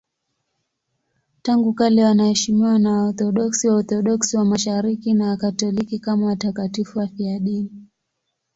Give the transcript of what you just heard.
Tangu kale wanaheshimiwa na Waorthodoksi, Waorthodoksi wa Mashariki na Wakatoliki kama watakatifu wafiadini.